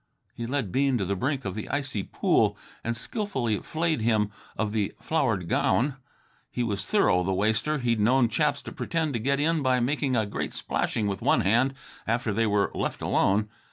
He led Bean to the brink of the icy pool and skilfully flayed him of the flowered gown. He was thorough, the waster. He'd known chaps to pretend to get in by making a great splashing with one hand, after they were left alone.